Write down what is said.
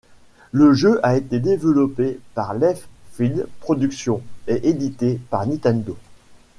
Le jeu a été développé par Left Field Productions et édité par Nintendo.